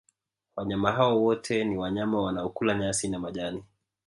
wanyama hawa wote ni wanyama wanaokula nyasi na majani